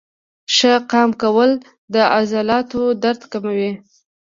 ښه قام کول د عضلاتو درد کموي.